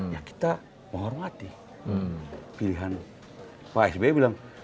ya kita menghormati pilihan pak sb